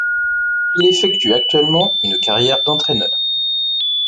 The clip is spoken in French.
Il effectue actuellement une carrière d'entraîneur.